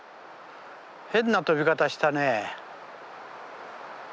変な飛び方したね。